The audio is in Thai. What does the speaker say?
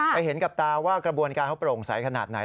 เห็นกับตาว่ากระบวนการเขาโปร่งใสขนาดไหน